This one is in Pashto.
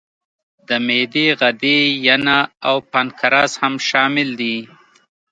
د معدې غدې، ینه او پانکراس هم شامل دي.